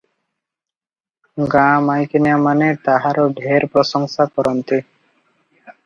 ଗାଁ ମାଇକିନିଆମାନେ ତାହାର ଢେର ପ୍ରଶଂସା କରନ୍ତି ।